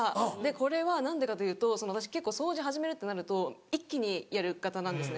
これは何でかというと私掃除始めるとなると一気にやる型なんですね。